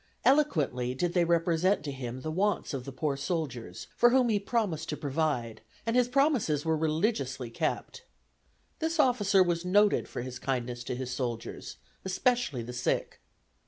Eloquently did they represent to him the wants of the poor soldiers, for whom he promised to provide, and his promises were religiously kept. This officer was noted for his kindness to his soldiers, especially the sick.